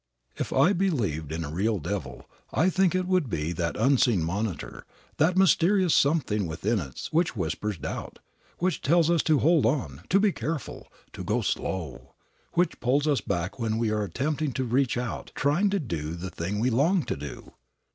If I believed in a real devil I think it would be that unseen monitor, that mysterious something within us which whispers doubt, which tells us to hold on, to be careful, to go slow; which pulls us back when we are attempting to reach out, trying to do the thing we long to do.